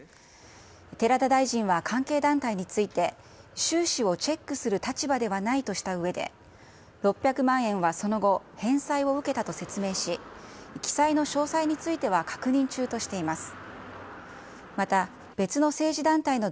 寺田大臣は関係団体について、収支をチェックする立場ではないとしたうえで、６００万円はその後、返済を受けたと説明し、記載の詳細については確認中としています。